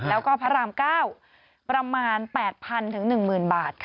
แล้วก็พระรามเก้าประมาณ๘๐๐๐๑๐๐๐๐บาทค่ะ